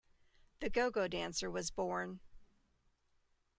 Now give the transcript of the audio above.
The go-go dancer was born.